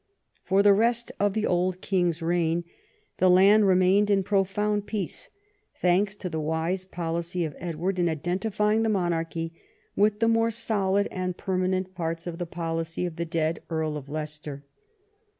For the rest of the old king's reign the land remained in profound peace, thanks to the wise policy of Edward in identifying the monarchy with the more solid and per manent parts of the policy of the dead Earl of Leicester.